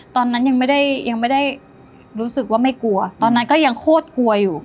ตอนนั้นยังไม่ได้ยังไม่ได้รู้สึกว่าไม่กลัวตอนนั้นก็ยังโคตรกลัวอยู่